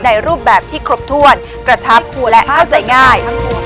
ในรูปแบบที่ครบถ้วนกระชับกูและเข้าใจง่าย